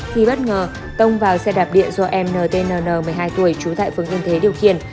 khi bất ngờ tông vào xe đạp điện do em ntnn một mươi hai tuổi trú tại phương yên thế điều khiển